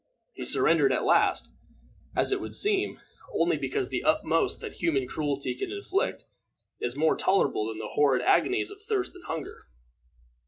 He surrendered at last, as it would seem, only because the utmost that human cruelty can inflict is more tolerable than the horrid agonies of thirst and hunger.